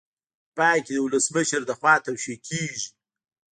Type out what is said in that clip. په پای کې د ولسمشر لخوا توشیح کیږي.